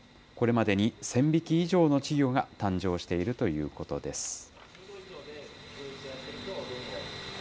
これまでに１０００匹以上の稚魚が誕生しているということです。